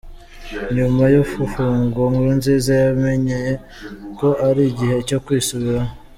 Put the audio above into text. Nyuma yo gufungwa , Nkurunziza yamenye ko ari igihe cyo kwisubiraho.